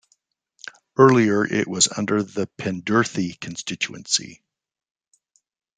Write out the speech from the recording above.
Earlier it was under the Pendurthi constituency.